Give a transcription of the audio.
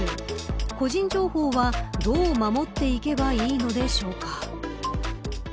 個人情報はどう守っていけばいいのでしょうか。